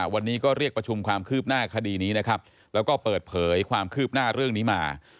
วันนี้ก็เรียกประชุมความคืบหน้าคดีนี้นะครับแล้วก็เปิดเผยความคืบหน้าเรื่องนี้มา